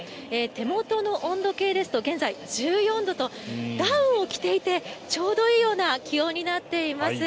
手元の温度計ですと現在、１４度とダウンを着ていてちょうどいいような気温になっています。